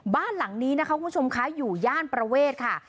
บ้านหลังนี้นะคะคุณผู้ชมคะอยู่ย่านประเวทค่ะ